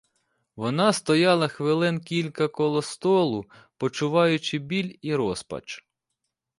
Вона стояла хвилин кілька коло столу, почуваючи біль і розпач.